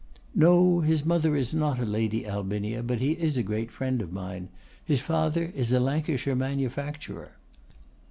'No; his mother is not a Lady Albinia, but he is a great friend of mine. His father is a Lancashire manufacturer.